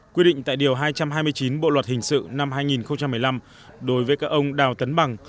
quy định tại điều hai trăm hai mươi chín bộ luật hình sự năm hai nghìn một mươi năm đối với các ông đào tấn bằng